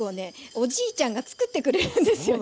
おじいちゃんがつくってくれるんですよね。